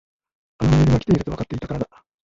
あのメールが来ているとわかっていたからだ。